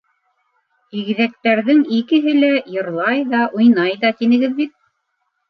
- Игеҙәктәрҙең икеһе лә йырлай ҙа, уйнай ҙа тинегеҙ бит?